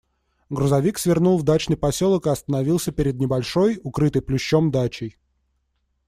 Грузовик свернул в дачный поселок и остановился перед небольшой, укрытой плющом дачей.